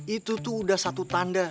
itu tuh udah satu tanda